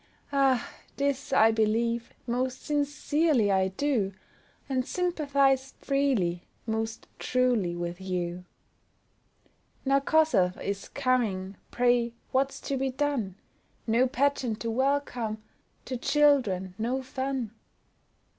Ah! this I believe, most sincerely I do, And sympathize freely, most truly with you. Now Kossuth is coming, pray what's to be done? No pageant to welcome, to children no fun?